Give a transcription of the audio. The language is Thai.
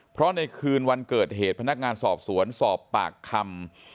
เพราะในคืนวันเกิดเหตุพนักงานสอบสวนสอบปากคำ